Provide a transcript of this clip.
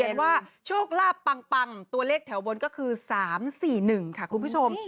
เขียนว่าโชคลาบปังปังตัวเลขแถวบนก็คือสามสี่หนึ่งค่ะคุณผู้ชม